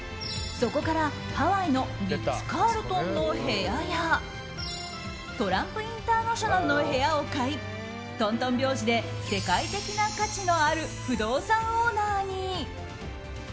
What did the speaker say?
そこからハワイのリッツ・カールトンの部屋やトランプ・インターナショナルの部屋を買いとんとん拍子で世界的な価値のある不動産オーナーに。